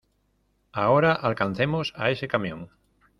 ¡ Ahora alcancemos a ese camión!